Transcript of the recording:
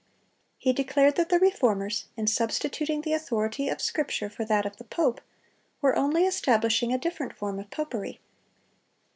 He declared that the Reformers, in substituting the authority of Scripture for that of the pope, were only establishing a different form of popery.